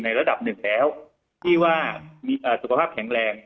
ระดับหนึ่งแล้วที่ว่ามีสุขภาพแข็งแรง